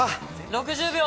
６０秒！